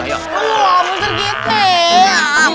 wah menteri gk